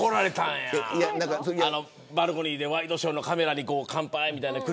バルコニーでワイドショーのカメラに乾杯みたいなので。